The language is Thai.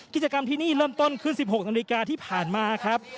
กิจกรรมที่นี่เริ่มต้นขึ้น๑๖นาฬิกาที่ผ่านมาครับ